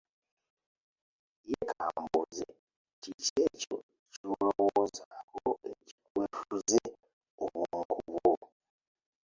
Ye kambuuze , kiki ekyo ky’olowoozaako ekikwefuze obwongo bwo?